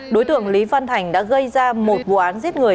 đối tượng lý văn thành đã gây ra một vụ án giết người